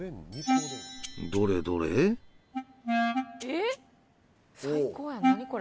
どれどれ？